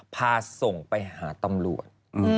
พาส่งไปหาตำรวจ